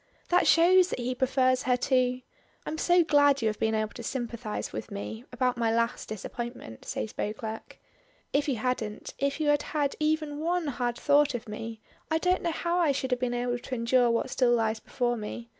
That shows that he prefers her to "I'm so glad you have been able to sympathize with me about my last disappointment," says Beauclerk. "If you hadn't if you had had even one hard thought of me, I don't know how I should have been able to endure what still lies before me.